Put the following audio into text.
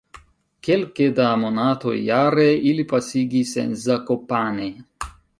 Kelke da monatoj jare ili pasigis en Zakopane.